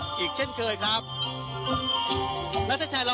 มันอาจจะเป็นแก๊สธรรมชาติค่ะ